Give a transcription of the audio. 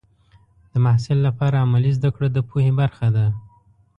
د محصل لپاره عملي زده کړه د پوهې برخه ده.